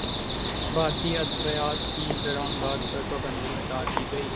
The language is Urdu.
بھارتی ادویات کی درمدات پر پابندی ہٹادی گئی